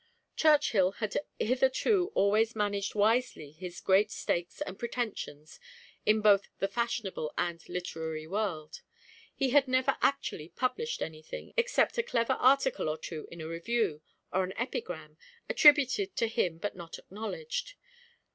Churchill had hitherto always managed wisely his great stakes and pretensions in both the fashionable and literary world. He had never actually published any thing except a clever article or two in a review, or an epigram, attributed to him but not acknowledged.